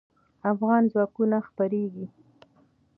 افغان ځواکونه خپرېږي.